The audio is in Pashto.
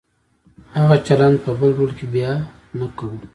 هغه چلند په بل رول کې بیا نه کوو.